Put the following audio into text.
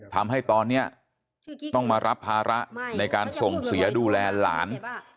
ทำให้ตอนนี้ต้องมารับภาระในการส่งเสียดูแลหลาน